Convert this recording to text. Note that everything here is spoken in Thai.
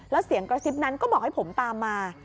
แล้วเสียงกระซิบนั้นก็บอกให้ผมตามมา